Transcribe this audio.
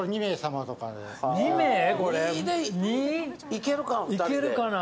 ２いけるかな？